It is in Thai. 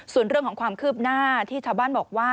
ส่วนเรื่องของความคืบหน้าที่ชาวบ้านบอกว่า